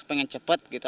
pengen cepat gitu